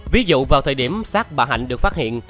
ví dụ vào thời điểm sát bà hạnh được phát hiện